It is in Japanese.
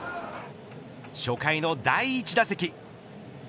初回の第１打席。